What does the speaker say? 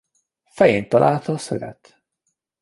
Fején találja a szöget.